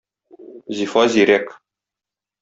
Зифа зирәк.